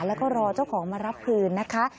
แล้วก็รอเจ้าของมารับคืนนะคะ